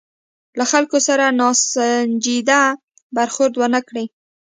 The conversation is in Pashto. له خلکو سره ناسنجیده برخورد ونه کړي.